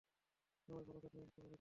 সবাই ভালো থাকবেন, শুভ বিদায়।